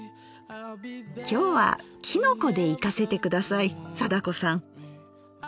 今日はきのこでいかせて下さい貞子さん！